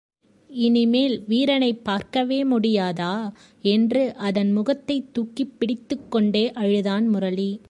இனிமேல்வீரனைப் பார்க்கவே முடியாதா? என்று அதன் முகத்தைத் தூக்கிப் பிடித்துக்கொண்டே அழுதான் முரளி.